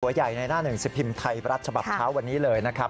ใหญ่ในหน้าหนึ่งสิบพิมพ์ไทยรัฐฉบับเช้าวันนี้เลยนะครับ